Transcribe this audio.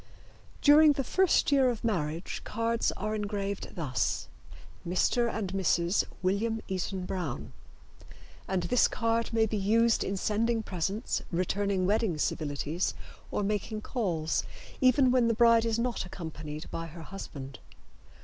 During the first year of marriage cards are engraved thus: Mr. and Mrs. William Eaton Brown and this card may be used in sending presents, returning wedding civilities or making calls, even when the bride is not accompanied by her husband.